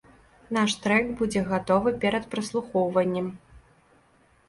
Наш трэк будзе гатовы перад праслухоўваннем.